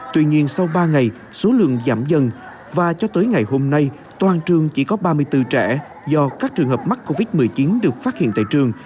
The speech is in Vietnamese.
tuy nhiên sau ba ngày số lượng giảm dần và cho tới ngày hôm nay toàn trường chỉ có ba mươi bốn trẻ do các trường hợp mắc covid một mươi chín được phát hiện tại trường